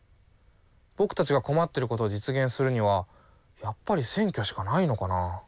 ぼくたちが困っていることを実現するにはやっぱり選挙しかないのかな？